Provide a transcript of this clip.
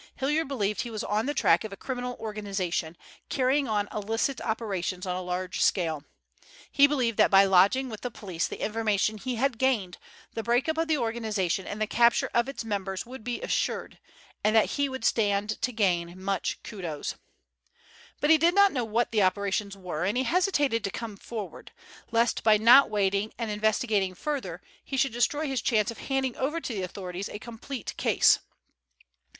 Hilliard believed he was on the track of a criminal organization, carrying on illicit operations on a large scale. He believed that by lodging with the police the information he had gained, the break up of the organization and the capture of its members would be assured, and that he would stand to gain much kudos. But he did not know what the operations were, and he hesitated to come forward, lest by not waiting and investigating further he should destroy his chance of handing over to the authorities a complete case.